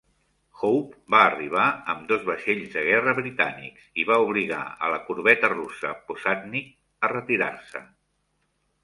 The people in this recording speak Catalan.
Hope va arribar amb dos vaixells de guerra britànics i va obligar a la corbeta russa "Posadnik" a retirar-se.